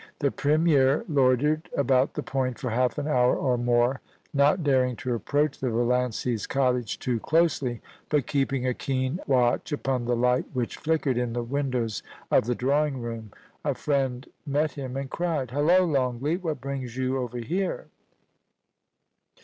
The Premier loitered about the Point for half an hour or more, not daring to approach the Vallancys* cottage too closely, but keeping a keen watch upon the light which flickered in the windows of the drawing room. A friend met him, and cried :* Hullo, Longleat ! what brings you over here